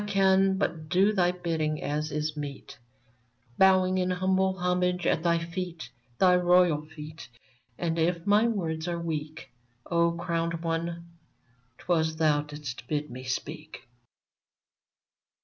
1 can but do thy bidding, as is meet, Bowing in humble homage at thy feet — Thy royal feet — and if my words are weak, O crowned One, 'twas thou didst bid me speak